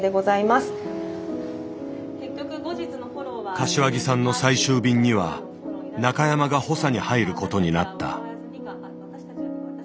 柏木さんの最終便には中山が補佐に入ることになった。